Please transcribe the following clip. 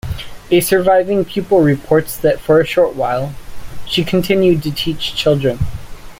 A surviving pupil reports that for a short while, she continued to teach children.